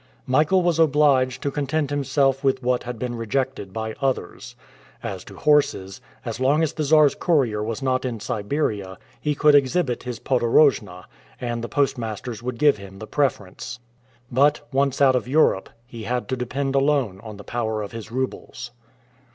Michael was obliged to content himself with what had been rejected by others. As to horses, as long as the Czar's courier was not in Siberia, he could exhibit his podorojna, and the postmasters would give him the preference. But, once out of Europe, he had to depend alone on the power of his roubles.